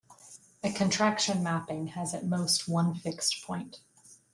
A contraction mapping has at most one fixed point.